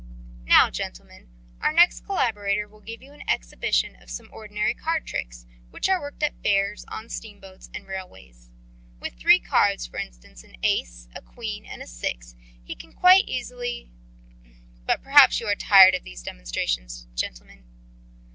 "Now, gentlemen, our next collaborator will give you an exhibition of some ordinary card tricks, which are worked at fairs, on steamboats and railways. With three cards, for instance, an ace, a queen, and a six, he can quite easily... But perhaps you are tired of these demonstrations, gentlemen."...